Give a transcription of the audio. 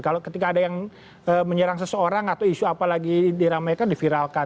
kalau ketika ada yang menyerang seseorang atau isu apa lagi diramaikan diviralkan